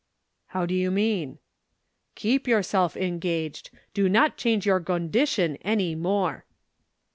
"How do you mean?" "Keep yourself engaged. Do not change your gondition any more."